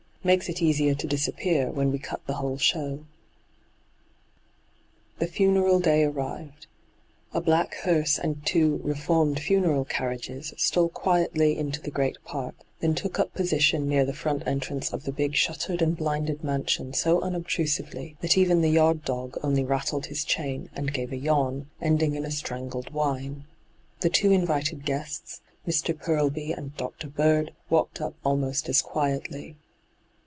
'Makes it easier to disappear, when we cut the whole show !' The funeral day arrived. A black hearse and two 'reformed funeral carriages' stole quietly into the great park, then took up position near the front entrance of the big shuttered and bUnded mansion so unobtrusively that even the yard d(^ only rattled his chain and gave a yawn, ending in a strangled whine. The two invited guests, Mr. Purlby and Dr. Bird, walked up almost as quietly.